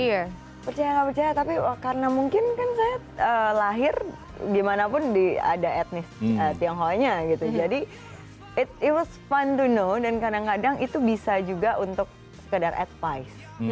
iya percaya gak percaya tapi karena mungkin kan saya lahir gimana pun di ada etnis tiang hoanya gitu jadi it was fun to know dan kadang kadang itu bisa juga untuk sekadar advise